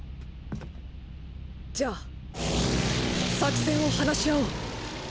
じゃあ作戦を話し合おう。